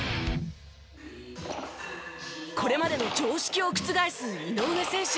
これまでの常識を覆す井上選手。